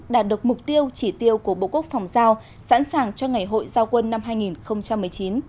đạt được mục tiêu chỉ tiêu của bộ quốc phòng giao sẵn sàng cho ngày hội giao quân năm hai nghìn một mươi chín